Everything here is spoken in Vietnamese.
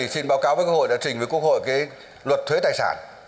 xin báo cáo với quốc hội đã trình với quốc hội luật thuế tài sản